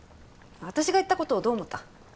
私が言ったことどう思った？